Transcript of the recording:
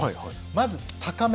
まず高め。